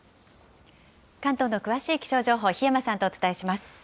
関東の詳しい気象情報、檜山さんとお伝えします。